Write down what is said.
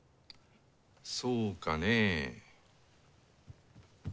そうかね？